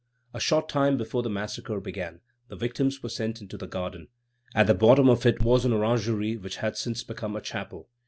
A short time before the massacre began, the victims were sent into the garden. At the bottom of it was an orangery which has since become a chapel.